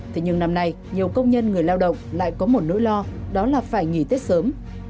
thế nhưng năm nay nhiều công nhân người lao động lại có một nỗi lo đó là phải nghỉ tết sớm